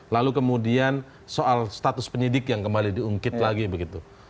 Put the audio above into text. lalu kemudian soal status penyidik yang kembali diungkit lagi begitu